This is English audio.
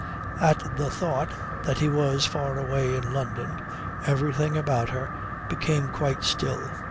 At the thought that he was far away in London everything about her became quite still.